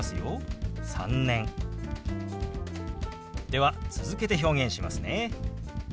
では続けて表現しますね。